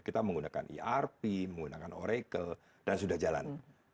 kita menggunakan irp menggunakan oracle dan sudah jalan